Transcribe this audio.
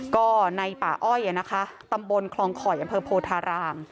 ก็ในป่าอ้อยนะคะตำบลคลองคอยอำเภอโพธาราม